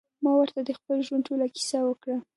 ما ورته د خپل ژوند ټوله کيسه وکړه.